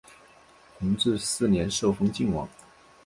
弘治四年受封泾王。